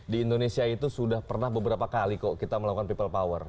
di indonesia itu sudah pernah beberapa kali kok kita melakukan people power